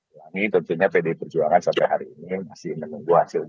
ulangi tentunya pdi perjuangan sampai hari ini masih menunggu hasilnya